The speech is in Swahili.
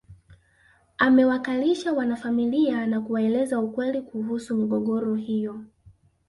Amewakalisha wanafamilia na kuwaeleza ukweli kuhusu migogoro hiyo